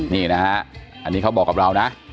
นี่นะฮะอันนี้เขาบอกกับเรานะ